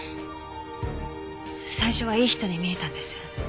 最初はいい人に見えたんです。